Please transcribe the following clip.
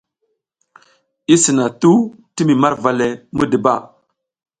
I sina tuh ti mi marva le muduba.